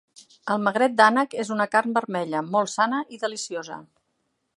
El magret d'ànec és una carn vermella, molt sana i deliciosa.